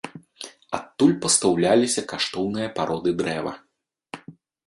Адтуль пастаўляліся каштоўныя пароды дрэва.